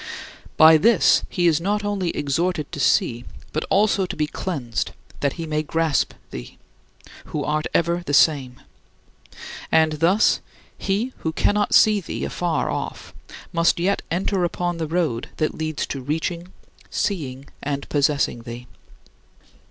By this he is not only exhorted to see, but also to be cleansed, that he may grasp thee, who art ever the same; and thus he who cannot see thee afar off may yet enter upon the road that leads to reaching, seeing, and possessing thee.